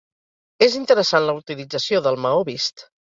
És interessant la utilització del maó vist.